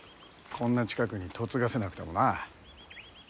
こんな近くに嫁がせなくてもな。